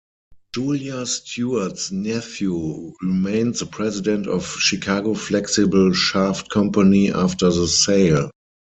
Julia Stewarts nephew remained the president of Chicago Flexible Shaft Company after the sale.